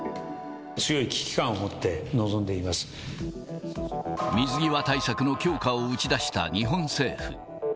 強い危機感を持って臨んでい水際対策の強化を打ち出した日本政府。